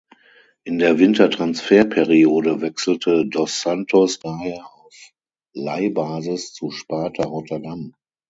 In der Wintertransferperiode wechselte dos Santos daher auf Leihbasis zu Sparta Rotterdam.